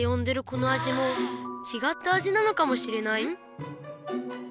このあじもちがったあじなのかもしれない